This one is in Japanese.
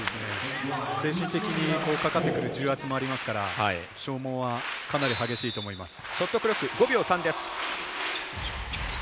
精神的にかかってくる重圧もありますから消耗はかなり激しいと思います。